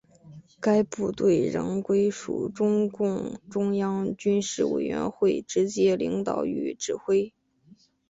该部队仍归属中共中央军事委员会直接领导与指挥。